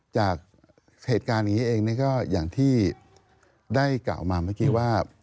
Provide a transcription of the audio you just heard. จากเหตุการณ์อย่างนี้เองก็อย่างที่ได้กล่าวมาเมื่อกี้ว่า